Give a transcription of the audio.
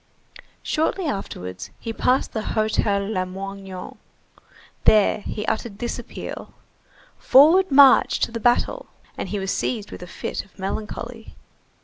Shortly afterwards, he passed the Hotel Lamoignon. There he uttered this appeal:— "Forward march to the battle!" And he was seized with a fit of melancholy.